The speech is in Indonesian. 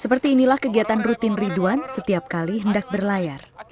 seperti inilah kegiatan rutin ridwan setiap kali hendak berlayar